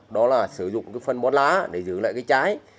đó là sử dụng cái phân bón lá để giữ lại cái trái